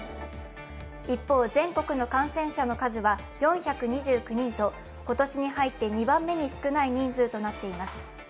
一方、全国の感染者の数は４２９人と今年に入って２番目に少ない人数となっています。